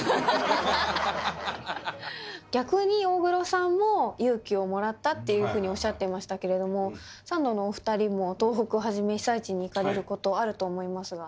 逆に大黒さんも勇気をもらったっていうふうにおっしゃっていましたけれどもサンドのお二人も東北をはじめ被災地に行かれることあると思いますが。